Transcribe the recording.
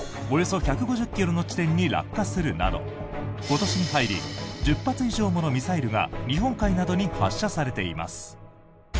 およそ１５０ｋｍの地点に落下するなど今年に入り１０発以上ものミサイルが日本海などに発射されています。